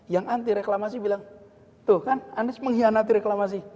yang anti reklamasi bilang tuh kan anies mengkhianati reklamasi